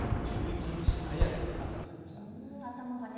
平年より１１日、早く観測されました。